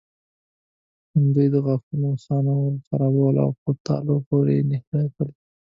همدوی د غاښونو خانه ورخرابول او په تالو پورې نښتل.